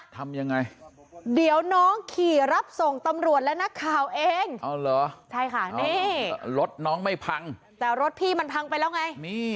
ทำยังไงเดี๋ยวน้องขี่รับส่งตำรวจและนักข่าวเองใช่ค่ะนี่รถน้องไม่พังแต่รถพี่มันพังไปแล้วไง